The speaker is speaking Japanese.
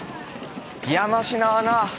「山科はな